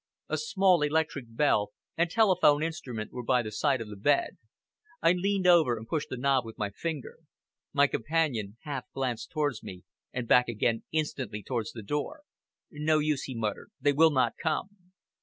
A small electric bell and telephone instrument were by the side of the bed. I leaned over and pressed the knob with my finger. My companion half glanced towards me, and back again instantly towards the door. "No use," he muttered, "they will not come!"